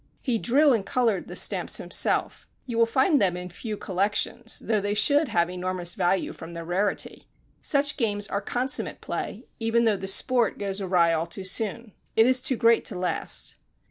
He drew and coloured the stamps himself you will find them in few collections, though they should have enormous value from their rarity. Such games are consummate play, even though the sport goes awry all too soon; it is too great to last!